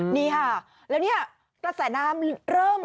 นี่ค่ะแล้วเนี่ยกระแสน้ำเริ่ม